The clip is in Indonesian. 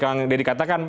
yang tadi dikatakan